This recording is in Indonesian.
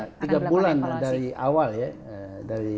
ya tiga bulan dari awal ya